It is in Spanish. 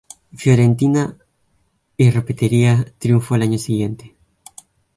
Fiorentina, y repetiría triunfo el año siguiente.